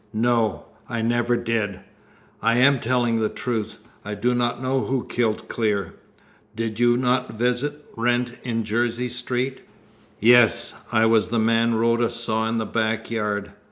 "No! I never did! I am telling the truth! I do not know who killed Clear." "Did you not visit Wrent in Jersey Street?" "Yes. I was the man Rhoda saw in the back yard.